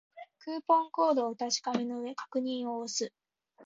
クーポンコードをお確かめの上、確認を押す